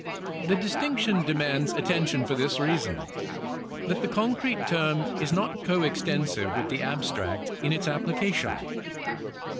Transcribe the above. The distinction demands attention for this reason, that the concrete term is not co extensive with the abstract in its application.